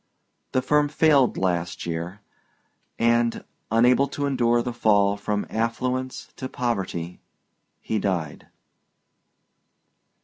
The firm failed last year, and unable to endure the fall from affluence to poverty he died.